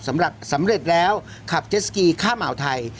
สำหรับสำเร็จแล้วขับเจ็ดสกีข้ามอ่าวไทย